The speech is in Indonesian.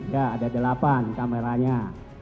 ya ada delapan kameranya